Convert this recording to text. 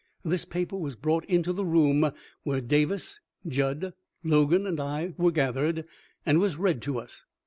This paper'was brought into the room where Davis, Judd, Logan, and I were gathered, and was read to us.